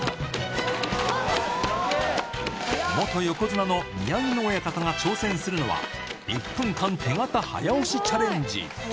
元横綱の宮城野親方が挑戦するのは、１分間手形早押しチャレンジ。